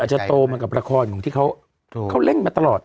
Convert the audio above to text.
อาจจะโตเหมือนกับละครของที่เขาเขาเล่นมาตลอด